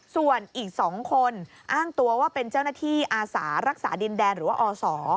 ส่วนอีก๒คนอ้างตัวว่าเป็นเจ้าหน้าที่อาสารักษาดินแดนหรือว่าอศ